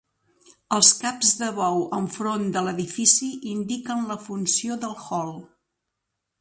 Els caps de bou enfront de l'edifici indiquen la funció del hall.